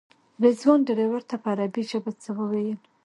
رضوان ډریور ته په عربي ژبه څه وویل.